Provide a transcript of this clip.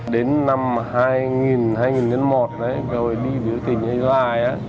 đến năm hai nghìn hai nghìn một rồi đi biểu tình lại